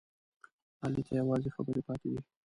علي ته یوازې خبرې پاتې دي.